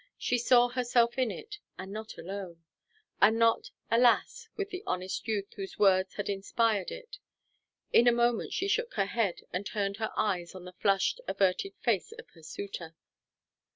She saw herself in it, and not alone. And not, alas, with the honest youth whose words had inspired it. In a moment she shook her head and turned her eyes on the flushed, averted face of her suitor.